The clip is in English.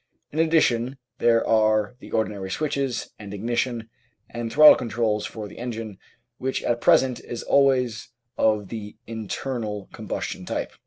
In addition there are the ordinary switch, and ignition, and throttle controls for the engine, which at present is always of the internal com bustion type.